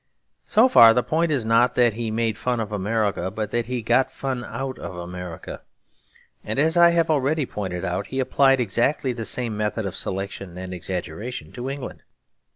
So far the point is not that he made fun of America, but that he got fun out of America. And, as I have already pointed out, he applied exactly the same method of selection and exaggeration to England.